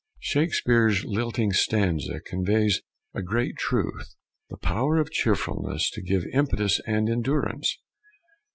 Shakespeare's lilting stanza conveys a great truth the power of cheerfulness to give impetus and endurance.